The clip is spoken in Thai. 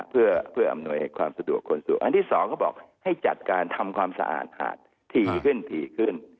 เพื่ออำนวยความสะดวกคนสู่อันที่สองเขาบอกให้จัดการทำความสะอาดหาดถี่ขึ้นถี่ขึ้น